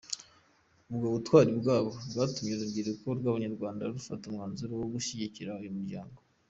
Ubwo butwali bwabo bwatumye urubyiruko rw’abanyarwanda rufata umwanzuro wo gushyigikira uyu muryango.